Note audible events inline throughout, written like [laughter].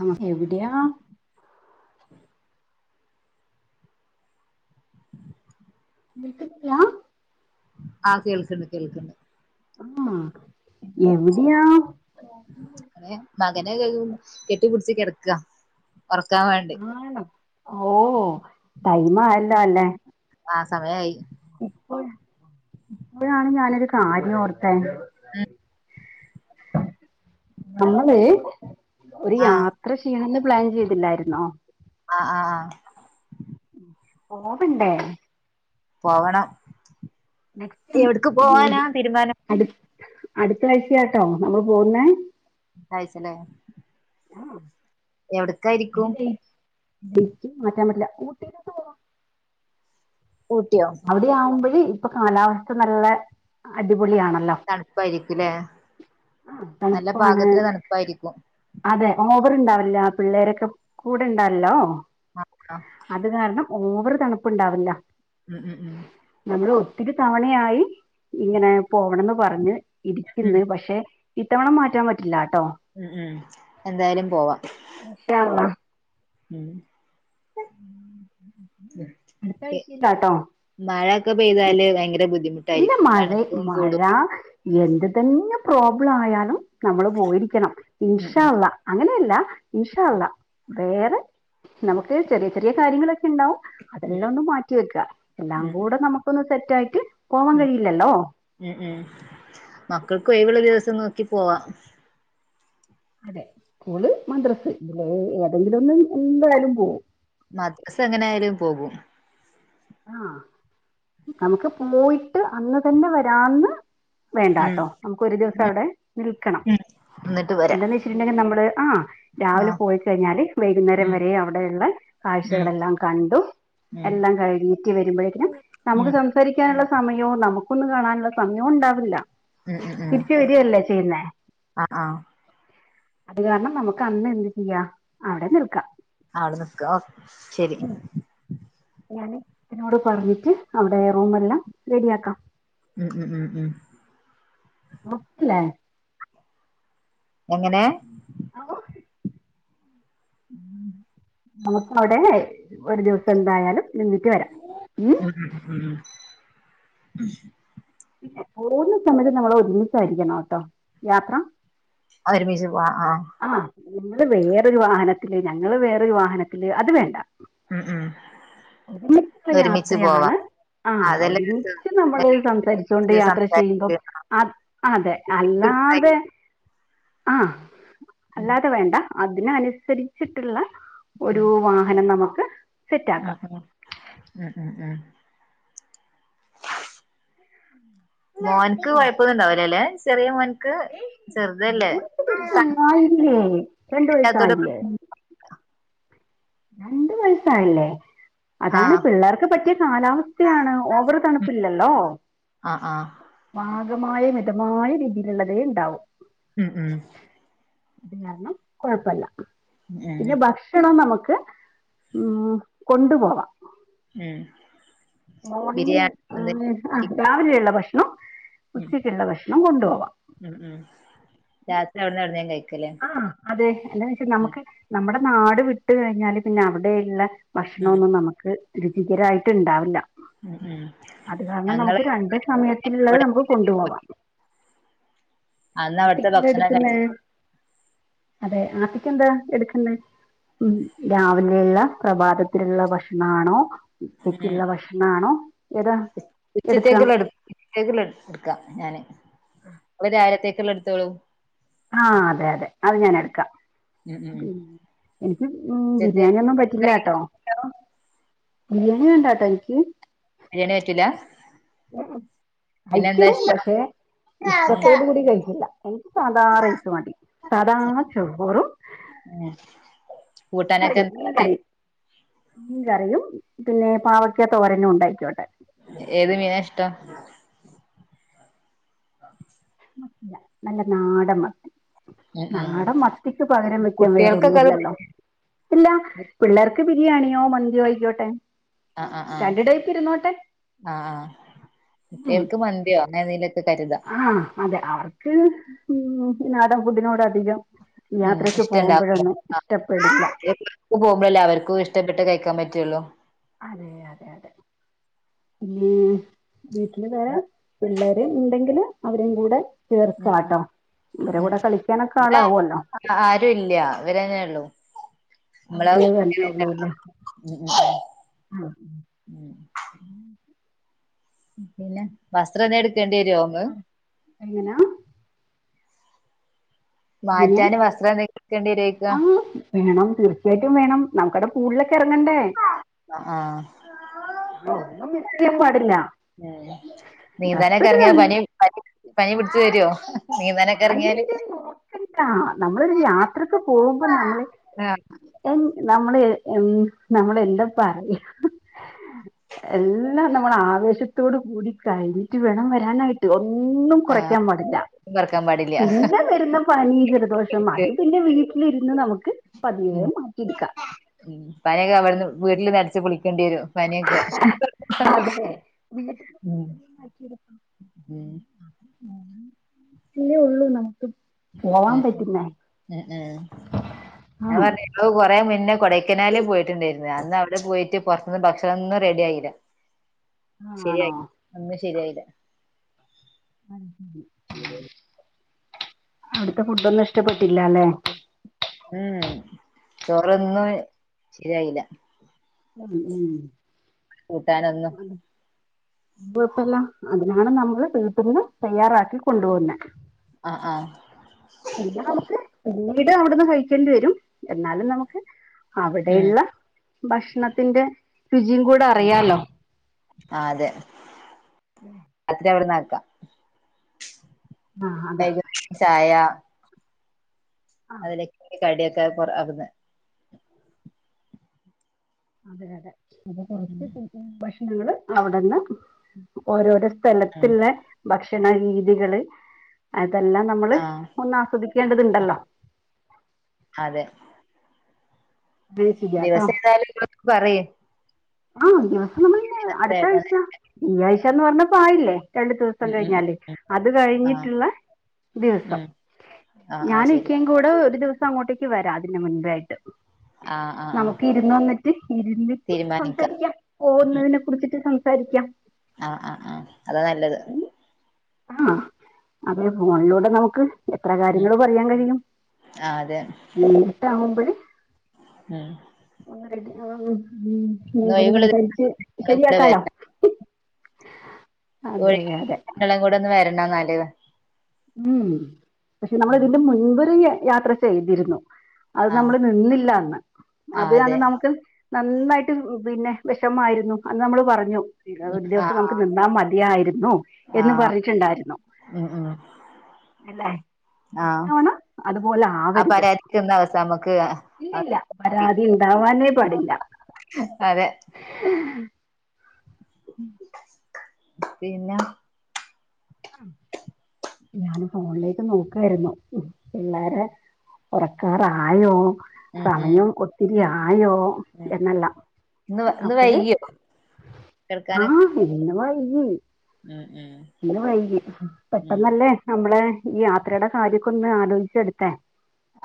ആ എവിടെയാ? വിട്ടക്കിയാ [unintelligible] ആ കേൾക്കണ് കേൾക്കണ് ആ എവിടെയാ? എൻ്റെ മകനെ കെട്ടിപ്പടിച്ച് കിടക്കാ ആണോ ഓ ടൈമായല്ലോ അല്ലേ ആ സമയായി ഇപ്പോൾ ഇപ്പോഴാണ് ഞാനൊരു കാര്യം ഓർത്തെ നമ്മള് ഒരു ആഹ് യാത്ര ചെയ്യണെന്ന് പ്ലാൻ ചെയ്തില്ലായിരുന്നോ ആ ആ ആ പോവണ്ടേ പോവണം നെക്സ്റ്റ് എവിടെക്ക് ഉം പോവാനാ തീരുമാനം അടു അടുത്ത ആഴ്ചയാട്ടോ നമ്മള് പോവുന്നേ അടുത്താഴ്ചല്ലേ ആ ജയിച്ചു മാറ്റാൻ പറ്റില്ല ഊട്ടീല് പോവാം ഊട്ടിയോ അവിടെ ആവുമ്പൊഴ് ഇപ്പൊ കാലാവസ്ഥ നല്ല അടി തണുപ്പായിരിക്കുലേ ആ തണുപ്പാണ് അതെ ഓവർ ഉണ്ടാവില്ല പിള്ളേരൊക്കെ കൂടെ ഇണ്ടാവല്ലോ ആഹ് ആഹ് അത് കാരണം ഓവറ് തണുപ്പ് ഉണ്ടാവില്ല ഉം ഉം ഉം ഒത്തിരി തവണയായി ഇങ്ങനെ പോവണംന്ന് പറഞ്ഞ് ഉം ഇരിക്കുന്ന് പക്ഷെ ഇത്തവണ മാറ്റാൻ പറ്റില്ല ട്ടോ ഉ ഉം എന്തായാലും പോവാം ഇൻഷാ അള്ളാ ഉം അടുത്താഴ്ച്ചയിലാട്ടോ മഴ ഒക്കെ പെയ്താല് ഭയങ്കര ഇല്ല ബുദ്ധിമുട്ടായിരിക്കും മഴ തണുപ്പും മഴ കൂടും എന്ത് തന്നെ പ്രോബ്ലം ആയാലും നമ്മൾ പോയിരിക്കണം ഉം ഇൻഷ ഉം അള്ളാ അങ്ങനെയല്ല ഇൻഷാ അല്ലാഹ് വേറെ നമുക്ക് ചെറിയ ചെറിയ കാര്യങ്ങളൊക്കെ ഉണ്ടാവും അതെല്ലാം ഒന്നും മാറ്റി വെക്കാ എല്ലാം കൂടെ നമുക്കൊന്ന് സെറ്റ് ആയിട്ട് ഉ ഉ ഉം മക്കൾക്കു ഒഴിവുള്ള ദിവസം നോക്കി പോവാ അതെ സ്കൂള് മദ്രസ ഇതില് ഏതെങ്കിലും ഒന്നു എന്തായാലും പോകും മദ്രസ എങ്ങനെ ആയാലും പോകും ആ നമുക്ക് പോയിട്ട് അന്ന് തന്നെ വരാന്ന് വേണ്ട ഉം കേട്ടോ നമുക്ക് ഒരു ദിവസം അവിടെ നിൽക്കണം ഉം എന്നിട്ട് വരാം എന്താന്ന് വെച്ചിട്ടുണ്ടെങ്കിൽ നമ്മള് ആ രാവിലെ ആഹ് പോയി കഴിഞ്ഞാല് വൈകുന്നേരം ഉം വരെ അവിടെ ഉള്ള ഉം ഉം കാഴ്ചകളെല്ലാം കണ്ടു ഉം എല്ലാം കഴിഞ്ഞി ട്ടു വരുമ്പോഴേക്കും നമുക്ക് ഉം സംസാരിക്കാനുള്ള സമയോം നമുക്കൊന്നും കാണാനുള്ള സമയോം ഉണ്ടാവില്ല ഉം ഉം തിരിച്ച് വരുവല്ലേ ചെയ്യുന്നേ ആഹ് ആഹ് അത് കാരണം നമുക്ക് അന്ന് എന്ത് ചെയ്യാം അവിടെ നിൽക്കാം അവിടെ നിക്ക ഒ ശരി ഞാൻ സിനോട് പറഞ്ഞിട്ട് അവിടെ റൂം എല്ലാം റെഡിയാക്കാം ഉം ഉം ഉം ഉം മുത്തിലെ എങ്ങനെ ആഹ് നമുക്ക് അവിടെ ഒരു ദിവസം എന്തായാലും നിന്നിട്ട് വരാം ഉം ഉം ഉം പിന്നെ പോകുന്ന സമയത്ത് നമ്മൾ ഒരുമിച്ചായിരിക്കണോട്ടോ യാത്ര ഒരുമിച്ച് പോവാം ആ ആഹ് നിങ്ങള് വേറൊരു വാഹനത്തില് ഞങ്ങള് വേറൊരു വാഹനത്തില് അത് വേണ്ട ഉം ഉം ഒരുമിച്ചുള്ള ഒരുമിച്ച് പോവാ യാത്രയാണ് ആ അതല്ലേ രസം ഒരുമിച്ച് നമ്മള് സംസാരിച്ചോ ണ്ട് യാത്ര ചെയ്യുമ്പോ സംസാരിച്ച് അ അതെ അല്ലാതെ ആ ഉം അല്ലാതെ വേണ്ട അതിനനുസരിച്ചിട്ടുള്ള ഒരു വാഹനം നമുക്ക് സെറ്റാക്കാം ആഹ ആ ഉം ഉ ഉം മോൻക്ക് കുഴപ്പൊന്നും ഇണ്ടാവൂല ലേ ചെറിയ മോൻക്ക് ചെറുതല്ലേ ച്ചും സ്ഥലത്തില്ലാത്തോണ്ട് ആയില്ലേ രണ്ട് വയസ്സായില്ലേ പ്രശ്നം. രണ്ട് വയസായല്ലേ അതാണ് ആഹ് പിള്ളേർക്ക് പറ്റിയ കാലാവസ്ഥയാണ് ഓവറ് തണുപ്പില്ലല്ലോ ആഹ് ആഹ് പാകമായ മിതമായ രീതിയിലുള്ളതേ ഉണ്ടാവും ഉം ഉം അത് കാരണം കുഴപ്പല്ല ഉം പിന്നെ ഭക്ഷണം നമുക്ക് ഉം കൊണ്ടുപോവാം ഉം മോണിങ്ങിന് ബിരിയാണി ഒന്ന് രാവിലെയുള്ള ഭക്ഷണം ഉം ഉച്ചക്കുള്ള ഭക്ഷണം കൊണ്ടു പോവാം ഉം ഉം രാത്രി അവിടന്ന് എവ്ട്ന്നേം കഴിക്കും ആഹ അതെ എന്താന്ന് വെച്ചാ നമുക്ക് നമ്മുടെ നാട് വിട്ട കഴിഞ്ഞാല് പിന്നെ അവിടെയുള്ള ഉം ഭക്ഷണൊന്നും നമുക്ക് രുചികരായിട്ട് ഉണ്ടാവില്ല ഉം ഉം അത് കാരണം നമുക്ക് ഞങ്ങള് രണ്ട് സമയത്തിലുള്ളത് നമുക്ക് കൊണ്ടുപോവാം അന്ന് ആദ്യം അവിടത്തെ എന്താ ഭക്ഷണം എടുക്കുന്നത് കഴിച്ചിട്ടാ അതെ ആപ്പക്ക് എന്താ എടുക്കണ്ടേ ഉം രാവിലെയുള്ള പ്രഭാതത്തിലുള്ള ഭക്ഷണാണോ ഉച്ചക്കുള്ള ഭക്ഷണം ആണോ ഏതാ എടുക്കുക ഉച്ചത്തേക്ക്ള്ളത് ട് ഉച്ചത്തേക്ക്ള്ളത്‌ട്ക്കാ ഞാന്. ങ്ങള് രാവിൽതേക്ക് ള്ളതെടുത്തോളൂ ആഹ അതെ അതെ അത് ഞാൻ എടുക്കാം ഉം ഉം പി എനിക്ക് ഉ ഉച്ചത്തെ ബിരിയാണി ഒന്നും പറ്റില്ലട്ടോ എന്തായിരിക്കും ഇഷ്ടം ബിരിയാണി വേണ്ടാട്ടോ എനിക്ക് ബിര്യേണി പറ്റൂലാ? അയ്ക്കും പക്ഷേ ഇഷ്ടത്തോടു കൂടി കഴിക്കില്ല. എനിക്ക് സാധാ റൈസ് മതി സാധാ ചോറും ഉം കൂട്ടാനൊക്കെ കറിയും എന്താ മീൻ വാണ്ട്യേ കറിയും മീൻ കറിയും പിന്നെ പാവക്ക തോരനും ഉണ്ടായ്ക്കോട്ടെ ഏത് മീനാ ഇഷ്ടം ആഹ നല്ല നാടൻ മത്തി ഉം നാടൻ ഉം മത്തിക്ക് പകരം വെക്കാൻ കുട്ടികൾക്കൊക്കെ അത് വേറൊന്നുല്ലല്ലോ അല്ല പിള്ളേർക്ക് ബിരിയാണിയോ മന്തിയോ ആയിക്കോട്ടെ ആഹ ആ് രണ്ട് ടൈപ്പ് ഇരുന്നോട്ടെ ആഹ ആഹ് ആഹ കുട്ടികൾക്ക് മന്തിയോ അങ്ങനേ തിലൊക്കെ ആഹ അതെ അവർക്ക് ഉം നാടൻ ഫുഡിനോടധികം ഉം ഇഷ്ടണ്ടാവൂല. [unintelligible] പോകുമ്പോഴല്ലേ അവർക്കും ഇഷ്ടപ്പെട്ട് കഴിക്- ക്കാൻ പറ്റുള്ളൂ അതെ അതെ അതെ ഈ വീട്ടില് വേറെ പിള്ളേര് ഉണ്ടെങ്കില് അവരേം കൂടെ ഉം ഉം ചേർക്കാട്ടോ. ഇവരെ ഉം കൂടെ കളിക്കാനൊക്കെ ഇവിടെ ആളാവൊല്ലോ ആരും ഇല്ല ഇവരന്നെ ഉള്ളൂ നമ്മള അവര് തന്നേ ഉള്ളൂല്ലേ ഉം ഉം ആ ഉം പിന്നെ വസ്ത്രം എന്തെങ്കിലും എടുക്കേണ്ടി വരോ മ്മ് എങ്ങനാ എങ്ങനെയാ മാറ്റാന് വസ്ത്രം എന്തേ എടുക്കേണ്ടി വരുയാക്കും ആ വേണം തീർച്ചയായിട്ടും വേണം നമുക്കിവിടെ പൂളിലൊക്കെ ഇറങ്ങണ്ടേ ആഹ് ആഹ് ഞ ഒന്നും മിസ്ചെയ്യാൻ പാടില്ല ഏ നീന്താനൊക്കെ ഡ്രസ്സ് ഇറങ്ങിയാ പനി പനി പനിപിടിച്ചു വരോ പനിന്റെ നോക്കണ്ട നമ്മളൊരു യാത്രക്ക് പോകുമ്പം നമ്മള് [unintelligible] നമ്മൾ ഹെ നമ്മള് എന്താ പറയാ എല്ലാം നമ്മൾ ആവേശത്തോട് കൂടി കഴിഞ്ഞിട്ട് വേണം വരാനായിട്ട് ഒ ന്നും ആഹ് കുറക്കാൻ പടില്ല. പറക്കാൻ പാടില്ല പിന്നെ വരുന്ന പനി ഇതൊക്കെ ജലദോഷം അത് പിന്നെ വീട്ടിലിരുന്ന് നമുക്ക് പതിയെ ഉം മാറ്റിയെടുക്കാം വീട്ടിൽ നരിച്ച് കുളി ക്കേണ്ടി വരും പനിയൊക്കെ അതെ ഉം ഉം പീയെ ഉള്ളൂ നമ്മ എ എ ഏ ആ ഞാൻ പറഞ്ഞു ഇങ്ങള് കൊറേ മുന്നേ കൊടൈക്കനാലിൽ പോയിട്ടുണ്ടായിരുന്ന അന്ന് അവിടെ പോയിട്ട് പുറത്തുനിന്ന് ഭക്ഷണം ഒന്നും റെഡി ആയില്ല ശരിയായി ആണോ ഒന്നും ശരിയായില്ല [inaudible] അവിടുത്തെ ഫുഡ് ഒന്നും ഇഷ്ടപ്പെട് ഉം ചോറൊന്നും ശരിയായില്ല ഉം ഉം കൂട്ടാനൊന്നു കൊഴപ്പല്ല അതിനാണ് നമ്മൾ വീട്ടിന്നു തയ്യാറാക്കി കൊണ്ട് പോവുന്നെ [unintelligible] ആഹ് ആഹ് പിന്നെ ഇടെ അവിടുന്ന് കഴിക്കേണ്ടി വരും എന്നാലും നമുക്ക് ഉം അവിടെയുള്ള ഭക്ഷ ണത്തിന്റെ രുചിയും കൂടെ ഉം അഴിയാലോ അച്ഛാ അവിടുന്നാക്കാ ആ അതെ വൈക്ത്തെ ചായ അതിലേക്ക് കടിയൊക്കെ പൊർ ആവുന്നെ അതെ അതെ ഉം [unintelligible] ഭക്ഷണങ്ങൾ അവിടുന്ന് ഓരോരോ സ്‌ സ്ഥലത്ത്ന്ന് ഭക്ഷണ രീതികള് അത് തെല്ലാം നമ്മള് ആഹ് ഒന്നസ്വദിക്കേണ്ടതുണ്ടല്ലോ അതെ ചെയ്യാട്ടോ ദിവസം ഏതായാലും നിങ്ങള് അപ്പൊ പറയ് ആ അടുത്തെ നമ്മളിന്ന് ദിവസം അടുത്താഴ്ച. ഏതാണ് വ്യായാഴ്ച്ചാന്ന് പറഞ്ഞപ്പൊ ആയില്ലേ. രണ്ടു ദിവസം കഴിഞ്ഞാല് അത് ആഹ് കഴിഞ്ഞിട്ടുള്ള ദിവസം ഉം ആഹ് ആഹ് ഞാനും ശരി ഇക്കയും കൂടെ ഒരു ദിവ സങ്ങോട്ടേക് വരാ അതിനു മുന്പേ ആയിട്ട്. ആഹ് ആഹ് ആഹ് നമുക്ക് ഇരുന്നൊന്നിറ്റ് ഇരുന്നിട്ട് തീരുമാനിക്കാം സംസാരിക്കാം പോവുന്നതിനെ കുടിച്ചിട്ട് സംസാരിക്കാം ആ ആ ആ അതാ നല്ലത് ആ അതെ ഫോണിലൂടെ നമുക്ക് എത്ര ഉം കാര്യങ്ങൾ പറയാൻ കഴിയും ആഹ് അതെ ആ ആ ഉം ഉം സംസാരിച്ച് ഇങ്ങളും കൂടെ ശരിയാക്കാലോ അതെ അതെ ഒരിക്കലും കൂടെ ഒന്ന് വരണന്നാല് ഉം പക്ഷെ നമ്മൾ ഇതിന്റെ മുൻബൊര് യാത്ര ചെയ്തിരുന്നു അത് ആഹ് നമ്മള് നിന്നില്ല അന്ന്. അത് ആഹ് അതെ കാരണം നമുക്ക് നന്നായിട്ട് പിന്നെ വിഷമായിരുന്നു. അന്ന് നമ്മള് പറഞ്ഞു പിന്നെ ഒരു ദിവസം ആഹ് നമുക്ക് നിന്നാ മതിയായിരുന്നു ആഹ് എന്ന് ആഹ് പറഞ്ഞിട്ണ്ടായിരുന്നു. ഉം ഉം അല്ലെ ആഹ് [unintelligible] ആ അത്പോലാവര്ത്. പരാതിക്കൊന്ന് അവസാനം നമുക്ക് ഇല്ലല്ല അവസാനിപ്പിക്കാം പരാതിണ്ടാവാനേ പാടില്ല. അതെ ഉം പിന്നാ ഞാന് ഫോണിലേക്ക് നോക്കായിരുന്നു പിള്ളാരെ ഒറക്കാറായോ ഉം ഉം സമയം ഒത്തിരി ആ ആയോ എന്ന് ള്ള ഇന്ന് ഇന്ന് അപ്പഴ് വൈകിയോ കെടക്കാനൊക്കെ ആഹ ഇന്ന് വൈകി ഉം ഉം ന്ത്‌ന് വൈകി ഉം പെട്ടെന്നല്ലേ നമ്മളെ ഈ യാത്രയുടെ കാര്യൊക്ക ഒന്ന് ആലോചിച്ച എടുത്തേ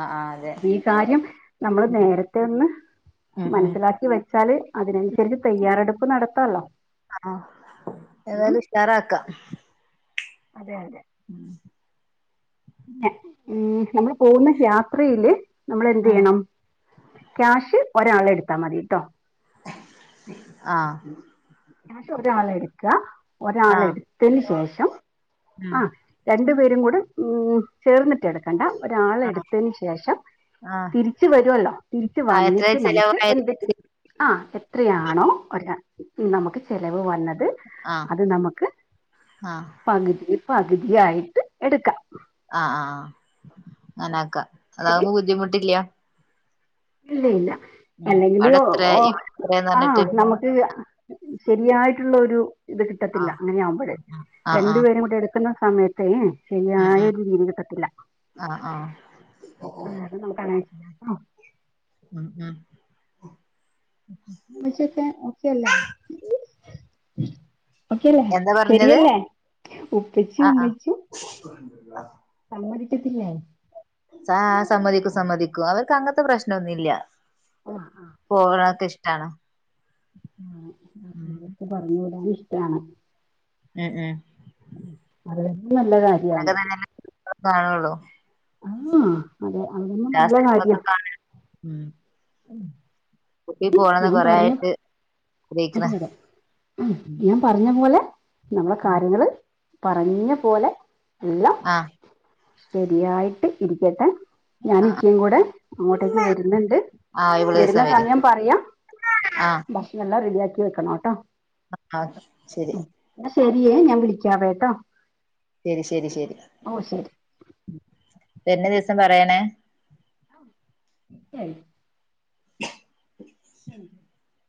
അഹ് ആഹ് അതെ പ്പീ കാര്യം നമ്മള് ഉം നേരത്തെ ഒന്ന് ഉം ഉം മനസ്സിലാക്കി വെച്ചാല് അതിനനുസരിച്ച് തയ്യാറെടുപ്പ് നടത്താല്ലോ. അണോ ഉം ഏതായാലും ഉഷാറാക്കാം. അതെ അതെ എഹ് ഉം നമ്മള് പോകുന്ന യാത്രയില്. നമ്മൾ എന്ത് ആഹ് ചെയ്യണം ക്യാഷ് ഒരാളെ എടുത്താ മതിട്ടോ. ആഹ് ക്യാഷ് ഒരാള എടുക്ക ഒരാള ആഹ് എടുത്തന് ശേഷം ഉം ആഹ് രണ്ട് പേരും കൂടെ ഉം ചേർന്നിട്ട എടുക്കണ്ട ഒരാള ആഹ് എടുത്തയ്ന് ശേഷം ആഹ് തിരിച്ച് വരുവല്ലോ തിരിച്ച് ആഹ് എത്ര വന്നിട്ട് നമുക്ക് ചെലവായത് എന്തിട്ട് ആഹ് എത്രയാണോ ഒര നമുക്ക് ചിലവ് വന്നത് ആഹ് അത് നമുക്ക് ആഹ് പകുതി പകുതിയായിട്ട് എടുക്കാം. ആഹ് ആഹ് അങ്ങനെക്ക ശരി അതാകുമ്പോ ബുദ്ധിമുട്ടില്ല. ഇല്ല ഇല്ല ഉം അല്ലെങ്കില് അവിടെ ഒഹ് എത്ര ഓ ഇവിടെ എത്രന്ന് പറഞ്ഞിട്ട് ആഹ് പിന്നെ നമുക്ക് ശരിയായിട്ടുള്ള ഒരു ഇത് കിട്ടത്തില്ല ആഹ് അങ്ങനെ ആവുമ്പോഴ ആഹ് രണ്ടു ആഹ് പേരും കുടെ എടുക്കുന്ന സമയത്തേ ഉം ശരിയായ ഉം ഒരു രീതി കിട്ടത്തില്ല ആഹ് ആഹ് ആഹ് അത് നമുക്കങ്ങനെ അഹ് ഉം ഉം മശൊക്കെ ഒക്കെല്ലേ. ഓക്കെല്ലേ എന്താ പറഞ്ഞത് ശരിയെല്ലേ ഉപ്പിച്ചി ആഹ് ആഹ് ഉമ്മച്ചിം സമ്മതിക്കത്തില്ലെ? ആഹ് സമ്മതിക്കു സമ്മതിക്കു അവർക്ക് അങ്ങത്തെ പ്രശ്നൊന്ന്ല്ല. ആഹ് പോവ്ണൊക്കെ ഇഷ്ടാണ്. ആഹ് ഉം ക്കെ [unintelligible] പറഞ്ഞ് വിടാന് ഇഷ്ടാണ് ഉം ഉം ഉം അതെ അങ്ങനൊക്കെ ത [unintelligible] ല്ല കാണൊള്ളൂ ആഹ് അതെ അതൊന്നും ആ നല്ല കാര്യ സ്ഥലങ്ങളൊക്കെ കാണാൻ. ഉം കുട്ടി പോണന്ന് കൊറെ ആയിട്ട്. അതെ ആഗ്രഹിക്ക്ണ് അതെ ആഹ് ഞാ പറഞ്ഞ പോലെ. നമ്മളെ കാര്യങ്ങള് പറഞ്ഞ പോലെ എല്ലാം. ആഹ് തരിയായിട്ട് ഇരിക്കട്ടെ. ഞാനും ഇക്കെകൂടെ അങ്ങോട്ടേക്ക് വരുന്ന്ണ്ട്. ആഹ് ഒഴിവുള്ള വെരുന്ന ദിവസം വരീ സമയം പറയ. ആഹ് ഭക്ഷണം എല്ലാം റെഡിയാക്കി വെക്കണോട്ടോ. ആഹ് ശെരി ശെരിയേ ഞാൻ വിളിക്കാവേട്ടോ. ശെരി ശെരി ശെരി ഓ ശരി ഉം വരണ ദിവസം പറയണേ. ഉ [unintelligible] [unintelligible] ശ [unintelligible]